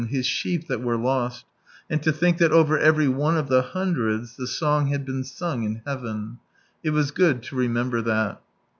His sheep that were lost ! And to think that over every one of the hundreds the song had been sung iQ heaven. It was good to remember that